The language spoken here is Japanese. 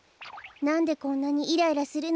なんでこんなにイライラするのかしら。